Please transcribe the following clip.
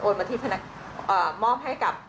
โอนมาที่มอบให้กลับ